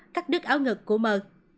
cắt đứt áo ngực của m h